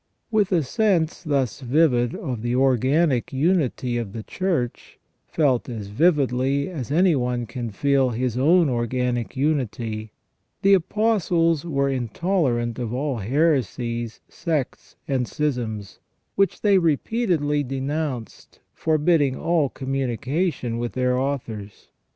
With a sense thus vivid of the organic unity of the Church, felt as vividly as any one can feel his own organic unity, the Apostles were intolerant of all heresies, sects, and schisms, which they repeatedly denounced, forbidding all communication with their authors.